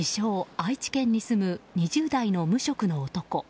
愛知県に住む２０代の無職の男。